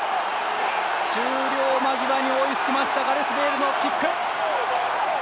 終了間際に追いつきましたガレス・ベイルのキック！